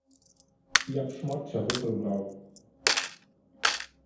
Я б шмат чаго прыбраў.